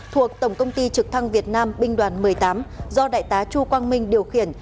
thuộc tổng công ty trực thăng việt nam binh đoàn một mươi tám do đại tá chu quang minh điều khiển